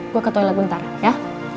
gue ke toilet bentar ya